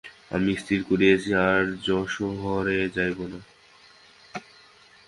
আমি স্থির করিয়াছি, আর যশোহরে যাইব না।